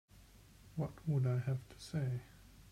What would I have to say?